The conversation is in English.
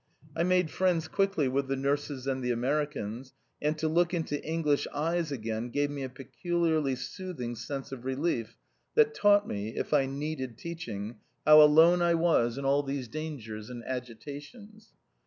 I made friends quickly with the nurses and the Americans, and to look into English eyes again gave me a peculiarly soothing sense of relief that taught me (if I needed teaching) how alone I was in all these dangers and agitations.